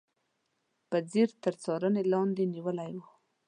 په ځیر تر څارنې لاندې نیولي و.